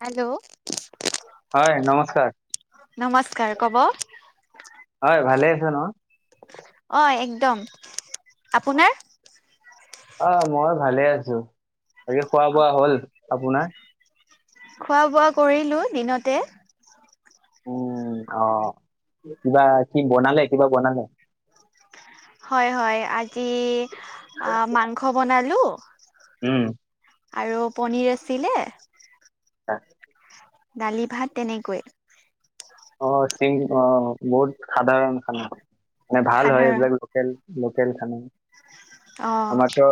Hello. হয়, নমস্কাৰ। নমস্কাৰ ক'ব হয়, ভালে আছে ন'। অ একদম। আপোনাৰ? আহ মই ভালে আছো। বাকী খোৱা-বোৱা হল আপোনাৰ? খোৱা-বোৱা কৰিলো দিনতে। উম। অ, হ। কিবা কি বনালে? কিবা বনালে? হয়। হয়। আজি মাংস বনালো। উম। আৰু পনীৰ আছিলে। অ'। দালি ভাত তেনেকৈয়ে অ' চিং অ' বহুত সাধাৰণ খানা মানে ভাল হয় সাধাৰণ এইবিলাক লোকেল লোকেল খানা। অ আমাৰতো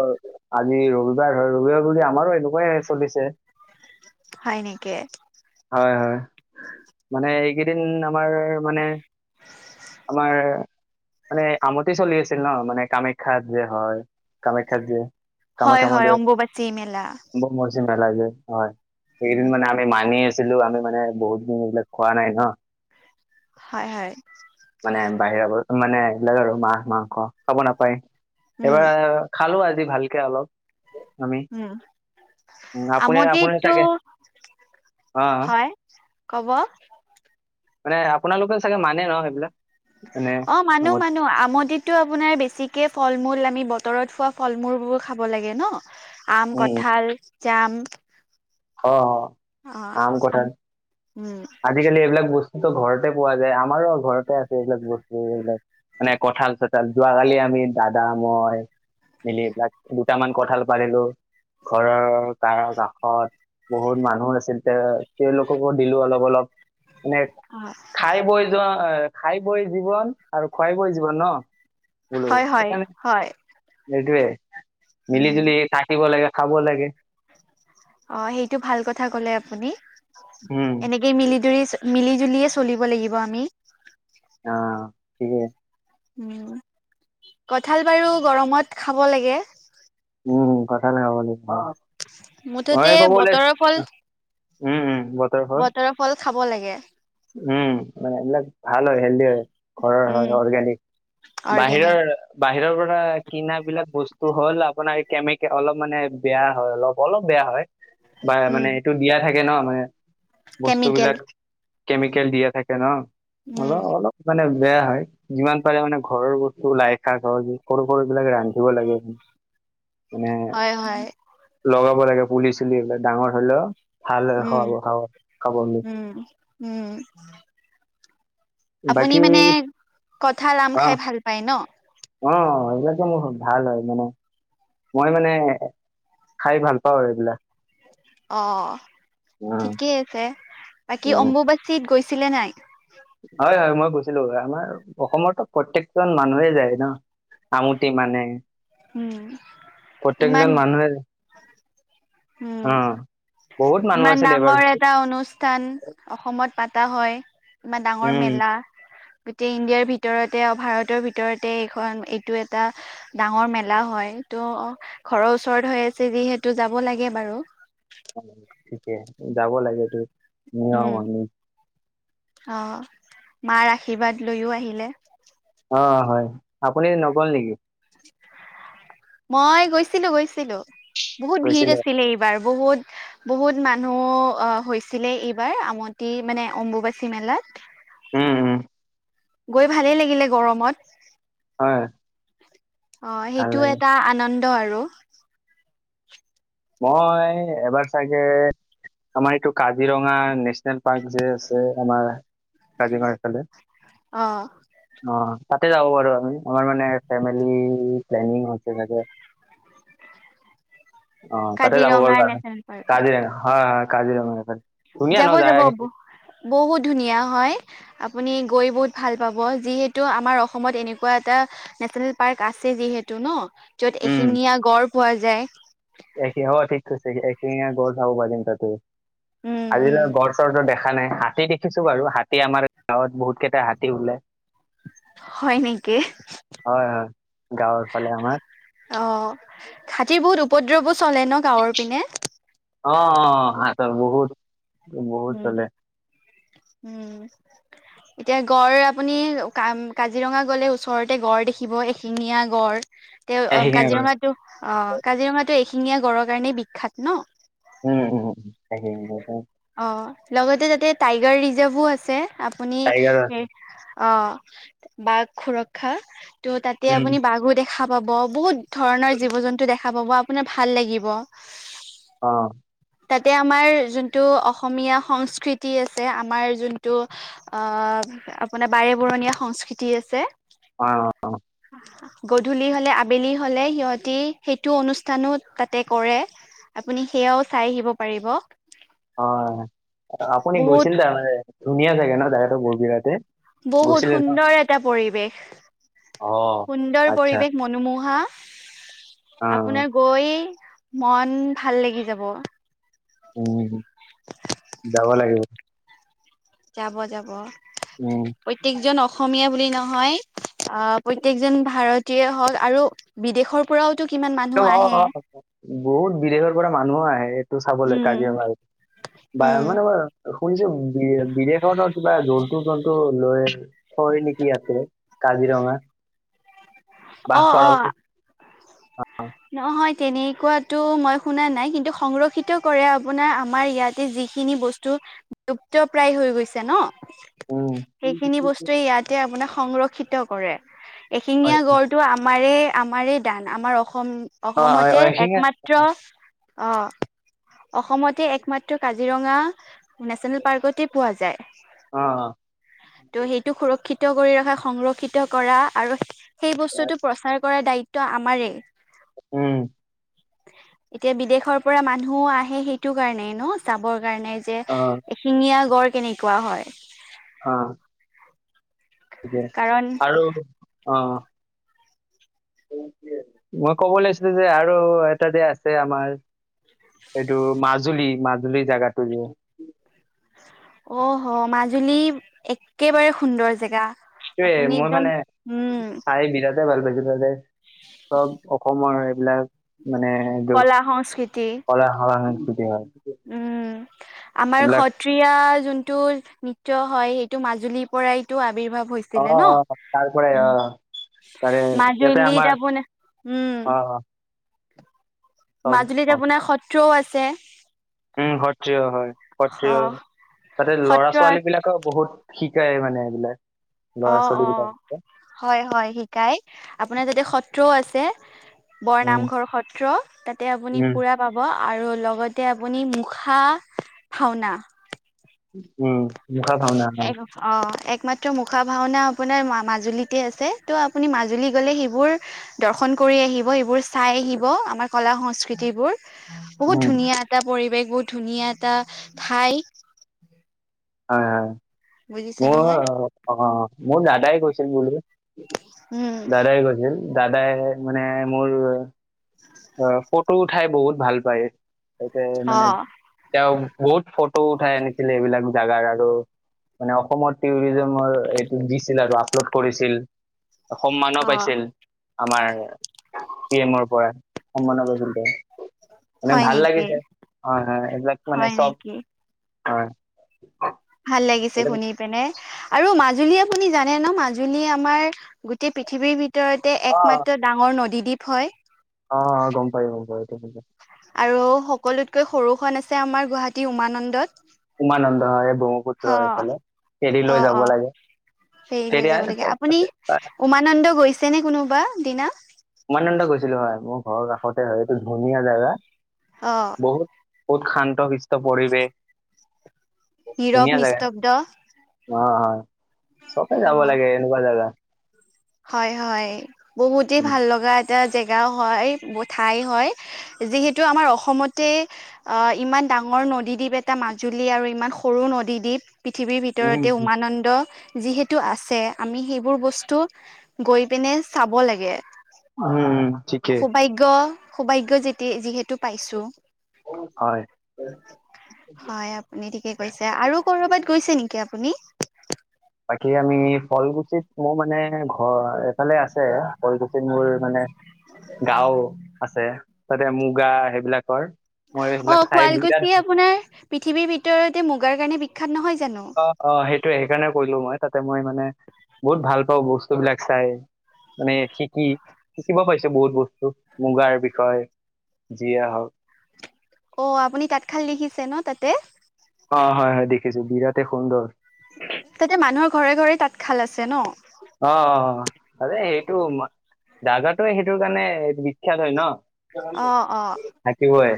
আজি ৰবিবাৰ হয়। ৰবিবাৰ বুলি আমাৰো এনেকুৱাই চলিছে। হয় নেকি? হয়। হয়। মানে এইকেইদিন আমাৰ মানে আমাৰ মানে আমতি চলি আছিল ন, মানে কামাখ্যা যে -হয় কামাখ্যাত যে, হয় কামাখ্যা হয় মন্দিৰৰ অম্বুবাচী মেলা মজ হয়, সেইদিন উম মানে আমি মানি আছিলো। আমি মানে বহুত দিন এইবিলাক খোৱা নাই ন'। হয়-হয়। মানে বাহিৰৰ মানে আৰু মাহ-মাংস খাব নাপায়। উম এবাৰ খালো আজি ভালকে অলপ আমি উম' উম আপুনি আপুনি আমতিটো চাগে অ হয় কব। মানে আপোনালোকে চাগে মানে ন সেইবিলাক। মানে অ মানো অসমত। মানো আমদিতটো আপোনাৰ বেছিকে। ফল মূল আমি বতৰত খোৱা ফল মূলবোৰ খাব লাগে ন আম উম কঠাল জাম। অ', অ আম, কঠাল উম আজিকালি এইবিলাক বস্তু ঘৰতে পোৱা যায় আমাৰো আৰু ঘৰতে আছে এইবিলাক বস্তু। এইবিলাক মানে কঁঠাল চঠাল যোৱাকালি আমি দাদা মই মিলি পিলাক দুটামান কঁঠাল পৰিলো। ঘৰৰ কাৰ কাষত বহুত মানুহ আছিল তে তেওঁলোককো দিলো অলপ অলপ। মানে অ খাই বৈ যোৱা খাই বৈ জীৱন আৰু খুৱাই বৈ জীৱন ন। হয় হয় হয় এইটোৱে মিলি উম জুলি থাকিব লাগে। খাব লাগে। অ সেইটো ভাল কথা ক'লে আপুনি উম এনেকে মিলি জুলি মিলি জুলিয়ে চলিব লাগিব আমি। ঠিকে। উম কঠাল বাৰু গৰমত খাব লাগে উম কঠাল খাব লাগে। মুঠতে বতৰৰ ফল উম উম বতৰ ফল বতৰৰ ফল খাব লাগে। উম মানে এইবিলাক ভাল হয় হেল্দি হয়। ঘৰৰ হয় উম অৰ্গেনিক অৰ্গেনিক বাহিৰৰ বাহিৰৰ পৰা কিনা বিলাক বস্তু হ'ল আপোনাৰ কেমিকেল অলপ মানে বেয়া হয় অলপ অলপ বেয়া হয় বা উম মানে এইটো দিয়া থাকে ন মানে বস্তু কেমিকেল বিলাক। কেমিকেল দিয়ে থাকে ন উম অলপ অলপ মানে। বেয়া হয়। যিমান পাৰে মানে ঘৰৰ বস্তুও লাইশাক সৰু সৰু বিলাক ৰান্ধিব লাগে। মানে হয় হয় লগাব লাগে পুলি চুলিলে ডাঙৰ হলেও ভাললেহ উম খাব খাব খাবলৈ উম উম। আপুনি বাকী মানে কঠাল, আম অ খাই ভাল পায় ন। অ সেবিলাকে মোৰ ভাল হয়। মানে মই মানে খাই ভাল পাওঁ আৰু এইবিলাক অ উম ঠিকেই আছে। বাকী উম অম্বুবাচীত গৈছিলে নাই। হয় হয় মই গৈছিলোঁ আমাৰ অসমতো প্ৰত্যেকজন মানুহেই যায় ন। আমুঠি মানে উম ইমান প্ৰতয়েকজন মানুহে অ উম বহুত মানুহ ইমান আছিল এইবাৰ ডাঙৰ এটা অনুষ্ঠান অসমত পাতা হয় ইমান ডাঙৰ উম, মেলা গোটেই ইণ্ডিয়াৰ ভিতৰতে আৰু ভাৰতৰ ভিতৰতে এইখন এইটো এটা ডাঙৰ মেলা হয়। তো অ ঘৰৰ ওচৰত হৈ আছে। যিহেতু যাব লাগে বাৰু থিকে যাব লাগে তো উম। নিয়ম অ মাৰ আশীৰ্বাদ লৈও আহিলে। অ হয় আপুনি নগ'ল নেকি? মই গৈছিলোঁ গৈছিলোঁ বহুত ভিৰ গৈছিলে আছিলে এইবাৰ। বহুত বহুত মানুহ অ হৈছিলে এইবাৰ আমতি মানে অম্বুবাচী মেলাত। উম উম। গৈ ভালেই লাগিলে গৰমত। হয় অ ভাল সেইটো লাগে এটা আনন্দ আৰু মই এবাৰ চাগে। আমাৰ এইটো কাজিৰঙা নেশ্যনেল পাৰ্ক যে আছে আমাৰ কাজিৰঙাৰ ফালে। অ, ' অ', 'তাতে যাব পাৰোঁ আমি আমাৰ মানে ফেমিলি প্লেনিং হৈছে চাগে। অ, 'তাতে যাব পাৰা কাজিৰঙা কাৰণে নেচনেল পাৰ্কত কাজিৰঙা হয়, হয় কাজিৰঙা ধুনীয়া ন যাব, জাগা যাব বহুত ধুনীয়া হয় আপুনি গৈ বহুত ভাল পাব, যিহেতু আমাৰ অসমত এনেকুৱা এটা নেচনেল পাৰ্ক আছে যিহেতু ন। যত এশিঙীয়া গড় পোৱা যায়। এখি হয় ঠিক কৈছে এশিঙীয়া গঁড় চাব পাৰিম তাতে, উম উম আজিলৈ গঁড় চৰ‌ টো দেখা দেখা নাই নাই হাতী দেখিছো বাৰু হাতী আমাৰ গাঁৱত বহুত কেইটা হাতী ওলাই। হয় নেকি অহ। হয় হয় গাঁৱৰ ফালে আমাৰ হাতীৰ বহুত উপদ্ৰৱো চলে ন গাওঁৰ পিনে। অ', অ' [unintelligible] বহুত, বহুত উম চলে। উম, এতিয়া গড় আপুনি কাম কাজিৰঙা গ'লে, ওচৰতে গড় দেখিব এশিঙীয়া গড়। তে অ, ' এশিঙীয়া গড় কাজিৰঙাটো অ', 'কাজিৰঙাটো এশিঙীয়া গড়ৰ কাৰণেই বিখ্যাত ন। উম, উম অ', 'লগতে তাতে টাইগাৰ ৰিজাৰ্ভো আছে আপুনি টাইগাৰ অ', বাঘ সুৰক্ষা ত' তাতে উম আপুনি বাঘো দেখা পাব বহুত। ধৰণৰ জীৱ জন্তু দেখা পাব আপোনাৰ ভাল লাগিব। অ', তাতে আমাৰ যোনটো অসমীয়া সংস্কৃতি আছে, আমাৰ যোনটো অ। আপোনাৰ বাৰে বৰণীয়া সংস্কৃতি আছে। অ,। গধূলি হলে আবেলি হলে সিহঁতি সেইটো অনুষ্ঠানো তাতে কৰে। আপুনি সেয়াও চাই আহিব পাৰিব। অ, 'আপুনি বহুত গৈছিল তাৰমানে ধুনীয়া চাগে নহ জেগাটো। [unintelligible] বহুত গৈছিলে ন সুন্দৰ এটা পৰিৱেশ অ সুন্দৰ আচ্ছা পৰিৱেশ মনোমোহা। অ আপোনাৰ গৈ মন ভাল লাগি যাব। উম যাব লাগিব যাব, যাব উম প্ৰত্যয়েকজন। অসমীয়া বুলি নহয়, অ, ' প্ৰত্যেকজন ভাৰতীয় হওক আৰু বিদেশৰ পৰাও টো কিমান একদম মানুহ অ আহে। অ বহুত বিদেশৰ পৰা মানুহো আহে এইটো চাবলৈ উম কাজিৰঙা। বা উম মানে মই শুনিছো বি, বিদেশত কিবা য। [unintelligible] কাজিৰঙা। অ, 'অ। নহয় তেনেকুৱাতো মই শুনা নাই, কিন্তু সংৰক্ষিত কৰে আপোনাৰ আমাৰ ইয়াতে যিখিনি বস্তু। লুপ্ত প্ৰায় হৈ গৈছে নহ। উম সেইখিনি বস্তুৱে ইয়াতে আপোনাক সংৰক্ষিত কৰে। হয় এশিঙীয়া গড়টো আমাৰে, আমাৰে দান আমাৰ অসম। অসম, অ হয় অসমতে হয়, এশিঙীয়া একমাত্ৰ। অ, 'অসমতে একমাত্ৰ কাজিৰঙা নেশচনেল পাৰ্কতে পোৱা যায়। অ অ ত' সেইটো সুৰক্ষিত। কৰি ৰখা সংৰক্ষিত কৰা আৰু সেই বস্তুটো প্ৰচাৰ কৰাৰ দায়িত্ব আমাৰেই। উম, '। এতিয়া বিদেশৰ পৰা মানুহ আহে সেইটো কাৰণে নহ চাবৰ। কাৰণে যে অ এশিঙীয়া গড় কেনেকুৱা হয়। অ,। [unintelligible] কাৰণ আৰু অ,। মই কব লৈছিলো যে আৰু এটা যে আছে আমাৰ। এইটো মাজুলী-মাজুলীৰ জাগাটো যে। অহ মাজুলী একেবাৰে সুন্দৰ জেগা এইয়ে আপুনি মই একদম মানে উম চাই বিৰাট ভাল পাইছো ততে চব অসমৰ এইবিলাক মানে এইটো কলা সংস্কৃতি কদা হাৰ নাই উম আমাৰ এইবিলাক সত্ৰীয়া জোনটো নৃত্য হয় সেইটো মাজুলীৰ পৰাইতটো আবিিৰ্ভাৱ অ হেছিলে অ তাৰ পৰাই অ ন' তাৰে ইয়াতে আমাৰ মাজুলীত আপোনাৰ উম অ অ, চব মাজুলীত অ আপোনাৰ সত্ৰও আছে উম সত্ৰিয় হয় সত্ৰিয় অ' হয় তাতে ল'ৰা সত্ৰ ছোৱালী বিলাকৰ বহুত শিক্ষি শিকাই মানে এইবিলাক ল'ৰা অ' ছোৱালী অ' বিলাকে হয় হয় শিকাই আপোনাৰ যাতে সত্ৰও আছে উম বৰনামঘৰ সত্ৰ তাতে আপুনি উম পুৰা পাব আৰু লগতে আপুনি মুখা ভাওনা উম মুখা ভাওনা হয় এক অ' এক একমাত্ৰ মুখা ভাওনা আপোনাৰ মাজুলীতে আছে ত' আপুনি মাজুলী গ'লে সেইবোৰ দৰ্শন কৰি আহিব এইবোৰ চাই আহিব আমাৰ কলা সংস্কৃতিবোৰ বহুত উম ধুনীয়া এটা পৰিৱেশ বহুত ধুনীয়া এটা ঠাই হয় হয় বুজিছে মোৰ নহয় আহ মোৰ দাদাই কৈছিল বুলি উম দাদাই কৈছে। দাদাই মানে মোৰ, অ' ফটো উঠাই বহুত ভাল পায়। ততে অ মানে তেওঁ বহুত ফটো উঠাই আনিছিলে এইবিলাক জাগাৰ আৰু। মানে অসমৰ টুৰিজমৰ এইটো দিছিল আৰু আপলোড কৰিছিল। সন্মানো অ পাইছিল আমাৰ পি এমৰ পৰা। সন্মানো পাইছিলে। মানে হয় ভাল নেকি লাগিছে হয় হয় এইবিলাক মানে হয় চব নেকি হয়। ভাল লাগিছে এইবিলাক শুনি পিনে। আৰু মাজুলী আপুনি জানে ন মাজুলী আমাৰ গোটেই পৃথিৱীৰ ভিতৰত ভিতৰতে অ একমাত্ৰ ডাঙৰ নদীদ্বীপ হয়। অ' গম পায় গম পাইছো। আৰু সকলোতকৈ সৰুখন আছে আমাৰ গুৱাহাটী উমানন্দত। উমানন্দ হয় অ ব্ৰহ্মপুত্ৰ সেইফালে ফেৰি লৈ যাব লাগে। ফেৰি লৈ ফেৰী যাব আৰু লাগে তাৰ আপুনি তাতে তাৰ উমানন্দ গৈছে নে কোনোবা দিনা? উমানন্দ গৈছিলো হয় মোৰ ঘৰ কাষতে হয় এইটো ধুনীয়া জেগা। অ'। বহুত বহুত শান্ত শৃষ্ট পৰিৱেশ। নীৰৱ ধুনীয়া জেগা নিস্তব্দ। অ' হয় চবে যাব লাগে এনেকুৱা জাগা। হয় হয় বহুতে উম ভাল লগা এটা জেগাও হয় ঠাই হয় যিহেতু আমাৰ অসমতে অ ইমান ডাঙৰ নদীদ্বীপ এটা মাজুলী আৰু ইমান সৰু নদীদ্বীপ পৃথিৱীৰ উম ভিতৰতে উমানন্দ যিহেতু আছে আমি সেইবোৰ বস্তু গৈ পিনে চাব লাগে উম ঠিকে সৌভাগ্য সৌভাগ্য যেতিয়া যিহেতু পাইছো হয়। গেছে নেকি আপুনি? বাকী আমি ফলগুছিত মোৰ মানে ঘৰ এফালে আছে পৰিচিত মোৰ মানে গাওঁ আছে তাতে মুগা সেইবিলাকৰ মই অ সেইবিলাক চাই বিৰাট শুৱালকুছি আপোনাৰ পৃথিৱীৰ ভিতৰতে মুগাৰ কাৰণে বিখ্যাত নহয় জানো? অ' অ' সেই। সেইটোৱে সেইকাৰণে কৰিলোঁ মই তাতে মই মানে বহুত ভাল পাওঁ বস্তুবিলাক চাই। মানে শিকি শিকিব পাইছে বহুত বস্তু মুগাৰ বিষয়ে। যিয়ে হওঁক। অ, আপুনি তাঁতশাল দেখিছে নহ তাতে। অ হয়, হয় দেখিছো বিৰাটেই সুন্দৰ। তাতে মানুহৰ ঘৰে ঘৰে তাঁতশাল আছে নহ। টো দাদাটো সেইটো কাৰণে বিখ্যাত হয় নহ। অ' অ' থাকিবই।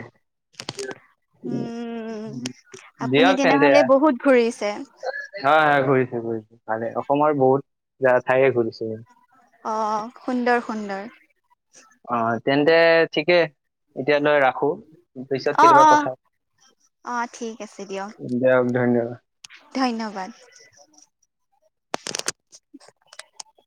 উম [inaudible] আপুনি দিয়ক তেন্তে তেনেহলে বহুত ঘূৰিছে। হয় হয় খুৰি। ভালে, অসমৰ বহুত ঠাইয়ে ঘূৰিছোঁ। অ সুন্দৰ সুন্দৰ। অ তেন্তে ঠিকেই এতিয়ালৈ ৰাখো, পিছত অ' কেতিয়াবা অ' কথা। অ। ঠিক আছে দিয়ক দিয়ক ধন্যবাদ। ধন্যবাদ। [inaudible]